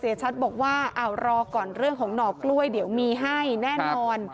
ชัดบอกว่ารอก่อนเรื่องของหน่อกล้วยเดี๋ยวมีให้แน่นอน